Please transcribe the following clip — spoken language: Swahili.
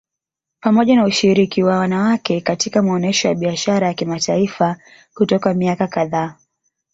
Pamoja na ushiriki wa wanawake katika maonesho ya Biashara ya kimataifa kutoka miaka kadhaa